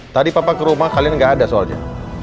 tadi papa ke rumah kalian nggak ada soalnya